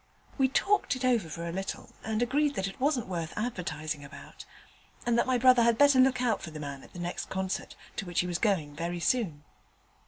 We talked it over for a little and agreed that it wasn't worth advertising about, and that my brother had better look out for the man at the next concert, to which he was going very soon.